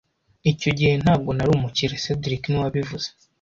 Icyo gihe ntabwo nari umukire cedric niwe wabivuze